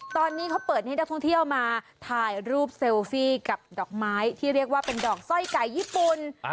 ตอนนี้เขาเปิดให้นักท่องเที่ยวมาถ่ายรูปเซลฟี่กับดอกไม้ที่เรียกว่าเป็นดอกสร้อยไก่ญี่ปุ่น